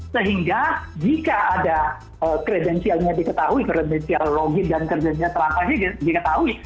sehingga jika ada kredensialnya diketahui kredensial login dan kredensinya transaksi diketahui